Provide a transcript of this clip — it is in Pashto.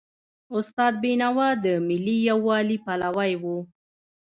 استاد بینوا د ملي یووالي پلوی و.